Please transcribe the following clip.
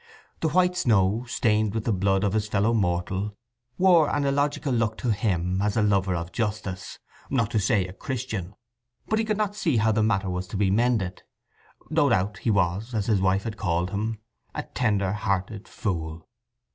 The white snow, stained with the blood of his fellow mortal, wore an illogical look to him as a lover of justice, not to say a Christian; but he could not see how the matter was to be mended. No doubt he was, as his wife had called him, a tender hearted fool.